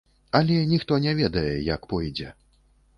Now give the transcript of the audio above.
Але ніхто не ведае, як пойдзе.